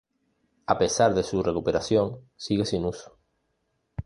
A pesar de su recuperación, sigue sin uso.